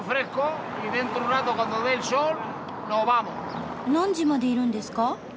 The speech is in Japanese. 何時までいるんですか？